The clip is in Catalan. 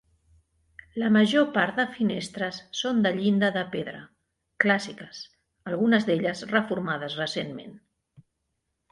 La major part de finestres són de llinda de pedra, clàssiques, algunes d'elles reformades recentment.